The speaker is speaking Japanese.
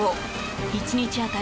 １日当たり